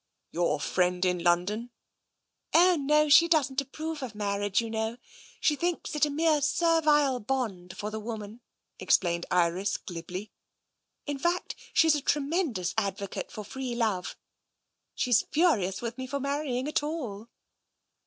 " Your friend in London? "" Oh, no ! She doesn't approve of marriage, you know. She thinks it a mere servile bond for the woman," explained Iris glibly. " In fact, she's a tre mendous advocate for Free Love. She's furious with me for marrying at all."